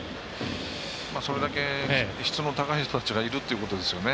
それだけ質の高い人たちがいるっていうことですよね。